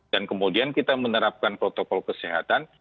dan kemudian kita menerapkan protokol kesehatan